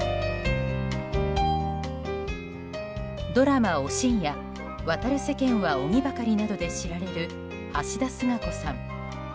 ドラマ「おしん」や「渡る世間は鬼ばかり」などで知られる橋田壽賀子さん。